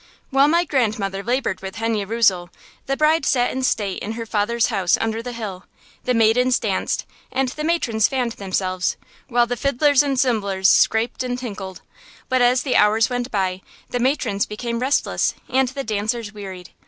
While my grandmother labored with Henne Rösel, the bride sat in state in her father's house under the hill, the maidens danced, and the matrons fanned themselves, while the fiddlers and zimblers scraped and tinkled. But as the hours went by, the matrons became restless and the dancers wearied.